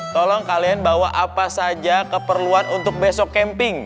tolong kalian bawa apa saja keperluan untuk besok camping